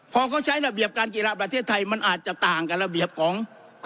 พอเขาใช้ระเบียบการกีฬาประเทศไทยมันอาจจะต่างกับระเบียบของ